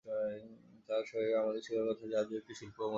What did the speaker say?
তাই আমাদেরও স্বীকার করতে হচ্ছে জাদু একটি শিল্প এবং মজার বিনোদন।